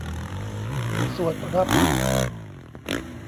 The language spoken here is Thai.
สวดรับ